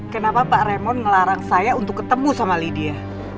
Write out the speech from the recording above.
kenapa pak remon ngelarang saya untuk ketemu sama lydia